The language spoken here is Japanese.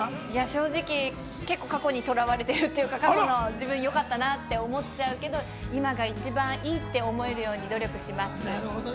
正直、結構過去にとらわれてるっていうか、過去がよかったなって思っちゃうんですけど、今が一番いいって思えるように努力します。